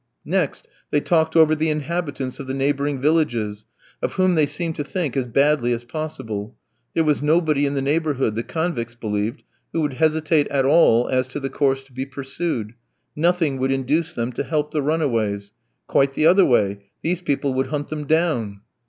Next, they talked over the inhabitants of the neighbouring villages, of whom they seemed to think as badly as possible. There was nobody in the neighbourhood, the convicts believed, who would hesitate at all as to the course to be pursued; nothing would induce them to help the runaways; quite the other way, these people would hunt them down.